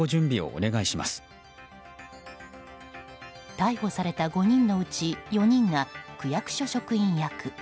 逮捕された５人のうち４人が区役所職員役。